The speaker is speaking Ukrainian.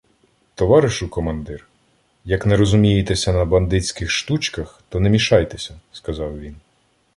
— Товаришу командир! Як не розумієтеся на бандитських штучках, то не мішайтеся, — сказав він.